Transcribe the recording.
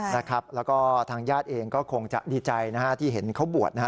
แล้วก็ทางญาติเองก็คงจะดีใจที่เห็นเขาบวช